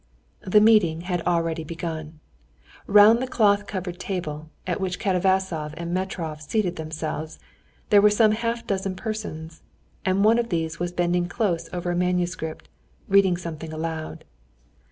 The meeting had already begun. Round the cloth covered table, at which Katavasov and Metrov seated themselves, there were some half dozen persons, and one of these was bending close over a manuscript, reading something aloud.